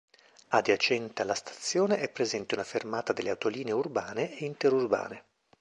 Adiacente alla stazione è presente una fermata delle autolinee urbane e interurbane.